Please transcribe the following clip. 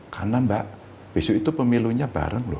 karena mbak bisu itu pemilunya bareng loh